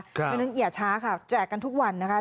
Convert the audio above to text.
เพราะฉะนั้นอย่าช้าค่ะแจกกันทุกวันนะคะ